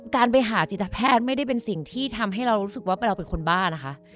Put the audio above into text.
การไปหาจิตแพทย์ไม่ได้เป็นสิ่งที่ทำให้เรารู้สึกว่าเราเป็นคนบ้านะคะ